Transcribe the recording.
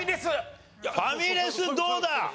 ファミレスどうだ？